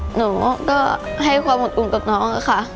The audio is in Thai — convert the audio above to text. หนูก็ให้ความอดอุ่นกับน้องค่ะ